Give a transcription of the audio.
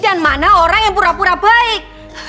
dan mana orang yang pura pura baik